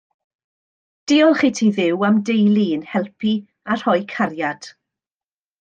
Diolch i ti Dduw am deulu i'n helpu a rhoi cariad